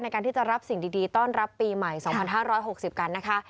ในการที่จะรับสิ่งดีต้อนรับปีใหม่๒๕๖๐กันนะคะ